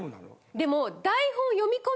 でも。